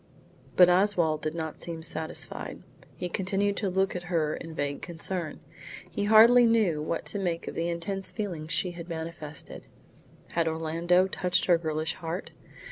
But Oswald did not seem satisfied. He continued to look at her in vague concern. He hardly knew what to make of the intense feeling she had manifested. Had Orlando touched her girlish heart?